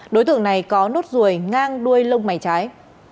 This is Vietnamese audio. đối tượng này có nốt ruồi ngang đuôi lông mày trái